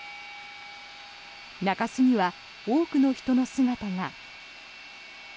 中州には多くの人の姿が。